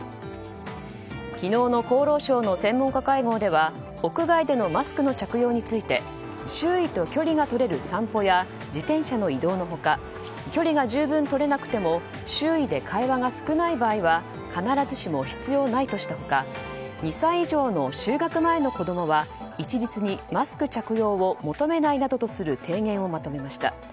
昨日の厚労省の専門家会合では屋外でのマスクの着用について周囲と距離が取れる散歩や自転車の移動の他距離が十分取れなくても周囲で会話が少ない場合は必ずしも必要ないとした他２歳以上の就学前の子供は一律にマスク着用を求めないなどとする提言をまとめました。